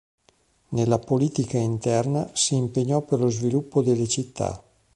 Nella politica interna, si impegnò per lo sviluppo delle città.